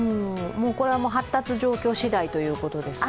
これは発達状況しだいということですか？